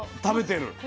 食べてる。